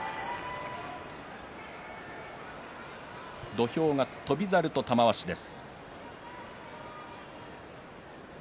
土俵が翔猿と玉鷲です。